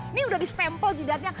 ini udah di stempel jidarnya